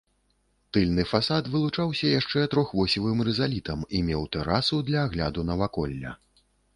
Тыльны фасад вылучаўся яшчэ трохвосевым рызалітам і меў тэрасу для агляду наваколля.